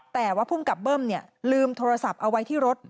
แต่ว่าภูมิกับเบิ้มลืมโทรศัพท์เอาไว้ที่รถ